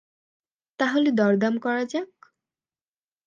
তাহলে দরদাম করা যাক।